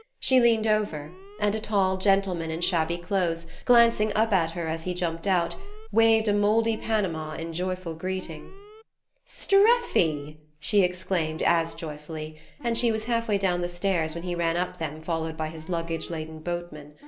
She leaned over, and a tall gentleman in shabby clothes, glancing up at her as he jumped out, waved a mouldy Panama in joyful greeting. "Streffy!" she exclaimed as joyfully; and she was half way down the stairs when he ran up them followed by his luggage laden boatman.